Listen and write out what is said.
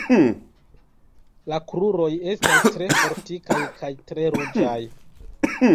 La kruroj estas tre fortikaj kaj tre ruĝaj.